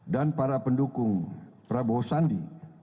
dan para pendukung prabowo sandi